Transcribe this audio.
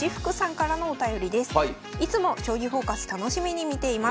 いつも「将棋フォーカス」楽しみに見ています。